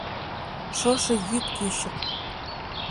Шошо йӱд кӱчык.